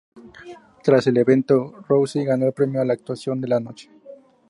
Tras el evento, Rousey ganó el premio a la "Actuación de la Noche".